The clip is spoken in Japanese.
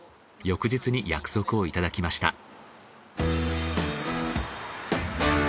翌日に約束をいただきました。